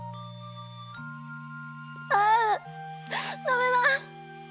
あダメだ！